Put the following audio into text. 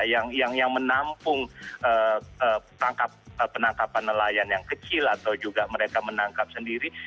yang menampung penangkapan nelayan yang kecil atau juga mereka menangkap sendiri